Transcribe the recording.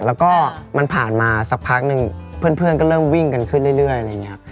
แล้วก็มันผ่านมาสักพักนึงเพื่อนก็เริ่มวิ่งกันขึ้นเรื่อยอะไรอย่างนี้